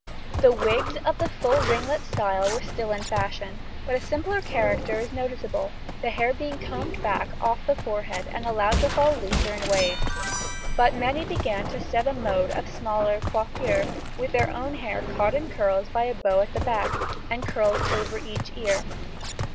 The wigs of the full ringlet style were still the fashion, but a simpler character is noticeable, the hair being combed back off the forehead and allowed to fall in looser waves. But many began to set a mode of smaller "coiffure," with their own hair caught in curls by a bow at the back, and curls over each ear.